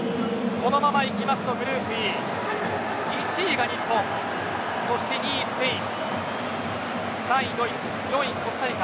このままいきますとグループＥは１位が日本２位、スペイン３位、ドイツ４位、コスタリカ。